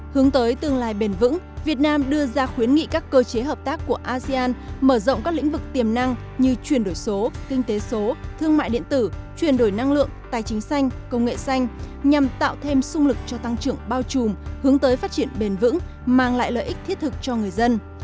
hướng tới tương lai bền vững việt nam đưa ra khuyến nghị các cơ chế hợp tác của asean mở rộng các lĩnh vực tiềm năng như chuyển đổi số kinh tế số thương mại điện tử chuyển đổi năng lượng tài chính xanh công nghệ xanh nhằm tạo thêm sung lực cho tăng trưởng bao trùm hướng tới phát triển bền vững mang lại lợi ích thiết thực cho người dân